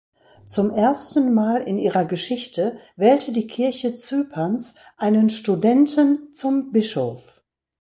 Zum ersten Mal in ihrer Geschichte wählte die Kirche Zyperns einen Studenten zum Bischof.